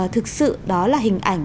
thực sự đó là hình ảnh